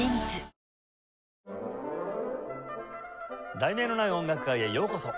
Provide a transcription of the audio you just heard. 『題名のない音楽会』へようこそ。